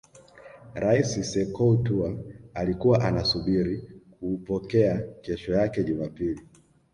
Rais sekou Toure alikuwa anasubiri kuupokea kesho yake Jumapili